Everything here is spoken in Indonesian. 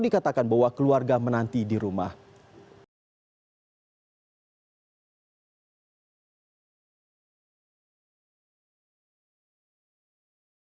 anda akan berkisar antara empat puluh hingga delapan puluh km per jam saja